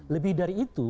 lebih dari itu